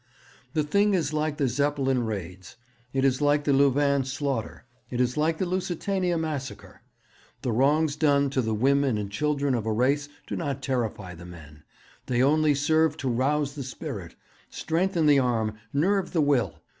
'The thing is like the Zeppelin raids, it is like the Louvain slaughter, it is like the Lusitania massacre. The wrongs done to the women and children of a race do not terrify the men. They only serve to rouse the spirit, strengthen the arm, nerve the will.